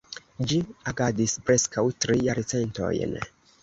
Ĝi agadis preskaŭ tri jarcentojn.